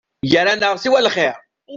Gar-aneɣ siwa lxir.